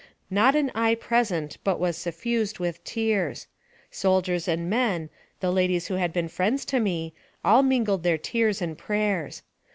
Not an eye present but was suffused with tears. Soldiers and men, the ladies who had been friends to me, all mingled their tears and prayers.